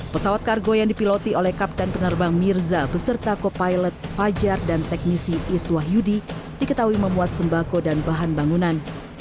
pesawat kargo yang dipiloti oleh kapten penerbang mirza beserta co pilot fajar dan teknisi iswah yudi diketahui memuat sembako dan bahan bangunan